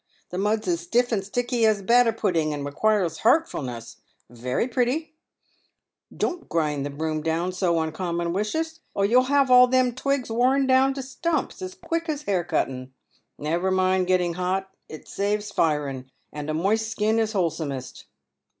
The mud's as stiff and sticky as batter pudding, and requires hartfulness — i very pretty ! Don't grind the broom down so uncommon wicious, or you'll have all them twigs wore down to stumps as quick as hair cutten. Never mind getting hot, it saves firen, and a moist skin is wholesomest.